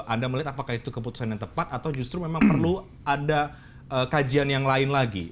anda melihat apakah itu keputusan yang tepat atau justru memang perlu ada kajian yang lain lagi